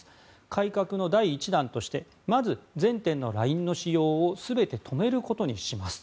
改革の第１弾としてまず、全店のＬＩＮＥの使用を全て止めることにします。